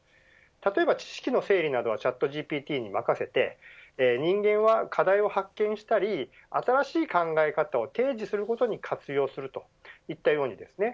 例えば知識の整理などはＣｈａｔＧＰＴに任せて人間は課題を発見したり新しい考え方を提示することに活用するといったようにですね